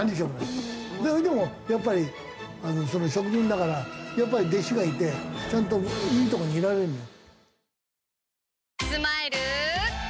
それでもやっぱり職人だから弟子がいてちゃんといいとこにいられるのよ。